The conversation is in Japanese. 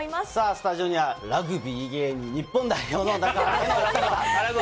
スタジオには、ラグビー芸人日本代表の中川家の２人。